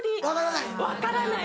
分からない？